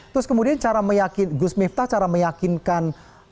terus kemudian cara meyakin gus miftah cara meyakinkan